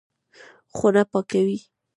خونه پاکوي.